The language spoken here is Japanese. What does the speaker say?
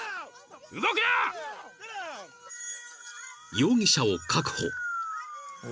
［容疑者を確保］